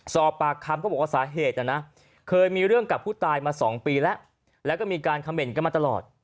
สอบปากคำก็บอกว่าสาเหตุนะนะเคยมีเรื่องกับผู้ตายมา๒ปีแล้วแล้วก็มีการคำเหน่นกันมาตลอด